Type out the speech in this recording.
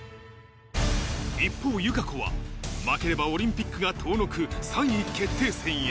一方、友香子は、負ければオリンピックが遠のく３位決定戦へ。